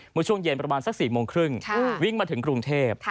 เมื่อช่วงเย็นประมาณสัก๔โมงครึ่งวิ่งมาถึงกรุงเทพ